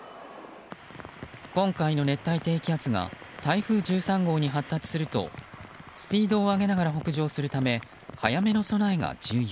今回の熱帯低気圧が台風１３号に発達するとスピードを上げながら北上するため早めの備えが重要。